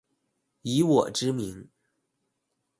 以我之名